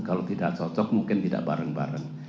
kalau tidak cocok mungkin tidak bareng bareng